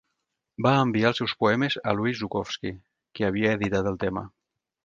Va enviar els seus poemes a Louis Zukofsky, que havia editat el tema.